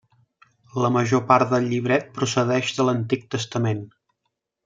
La major part del llibret procedeix de l'Antic Testament.